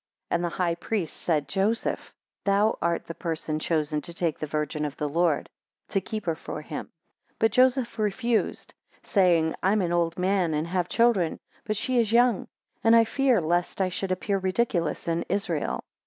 12 And the high priest said, Joseph, Thou art the person chosen to take the Virgin of the Lord, to keep her for him: 13 But Joseph refused, saying, I am an old man, and have children, but she is young, and I fear lest I should appear ridiculous in Israel.